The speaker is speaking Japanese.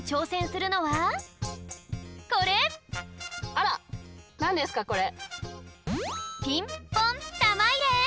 あらなんですかこれ。